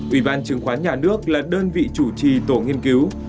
ủy ban chứng khoán nhà nước là đơn vị chủ trì tổ nghiên cứu